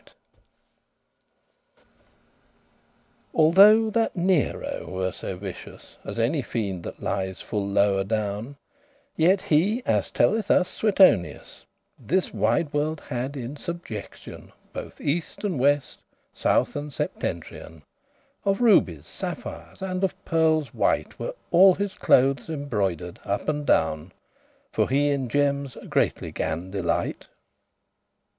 to make her living* Although that NERO were so vicious As any fiend that lies full low adown, Yet he, as telleth us Suetonius,<17> This wide world had in subjectioun, Both East and West, South and Septentrioun. Of rubies, sapphires, and of pearles white Were all his clothes embroider'd up and down, For he in gemmes greatly gan delight.